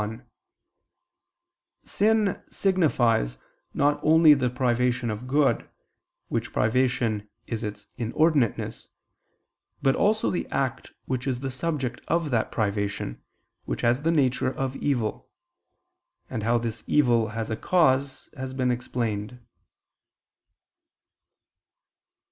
1: Sin signifies not only the privation of good, which privation is its inordinateness, but also the act which is the subject of that privation, which has the nature of evil: and how this evil has a cause, has been explained.